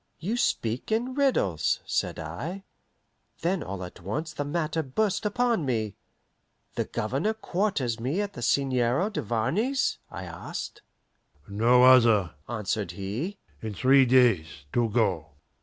"You speak in riddles," said I. Then all at once the matter burst upon me. "The Governor quarters me at the Seigneur Duvarney's?" I asked. "No other," answered he. "In three days to go."